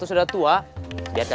tares khan detailingnya